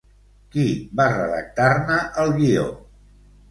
Qui va redactar-ne el guió?